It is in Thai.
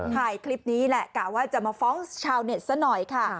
ถ่ายคลิปนี้แหละกะว่าจะมาฟ้องชาวเน็ตซะหน่อยค่ะ